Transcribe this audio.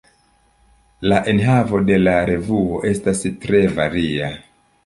La enhavo de la revuo estas tre varia.